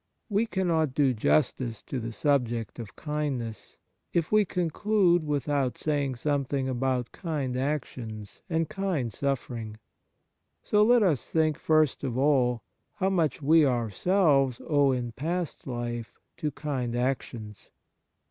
86 ■ Kindness We cannot do justice to the subject of kindness if we conclude without saying something about kind actions and kind suffering. So let us think, first of all, how much we ourselves owe in past life to kind actions.